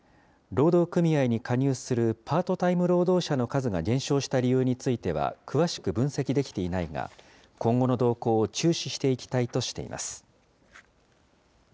労働組合に加入するパートタイム労働者の数が減少した理由については詳しく分析できていないが、今後の動向を注視していきたいとしています。